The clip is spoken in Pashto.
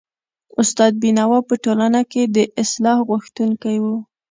استاد بينوا په ټولنه کي د اصلاح غوښتونکی و.